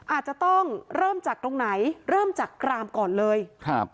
อาจจะต้องเริ่มจากตรงไหนเริ่มจากกรามก่อนเลยครับ